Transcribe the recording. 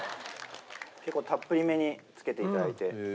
結構たっぷりめにつけて頂いて。